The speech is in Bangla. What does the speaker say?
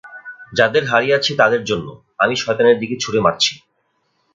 যাদের হারিয়েছি তাদের জন্য, আমি শয়তানের দিকে ছুঁড়ে মারছি!